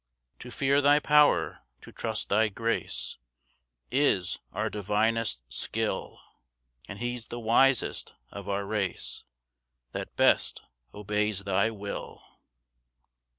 6 To fear thy power, to trust thy grace Is our divinest skill; And he's the wisest of our race, That best obeys thy will.